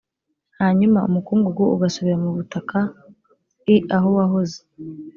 hanyuma umukungugu ugasubira mu butaka i aho wahoze